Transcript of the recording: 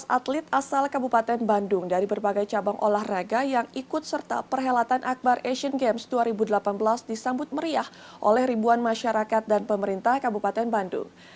dua belas atlet asal kabupaten bandung dari berbagai cabang olahraga yang ikut serta perhelatan akbar asian games dua ribu delapan belas disambut meriah oleh ribuan masyarakat dan pemerintah kabupaten bandung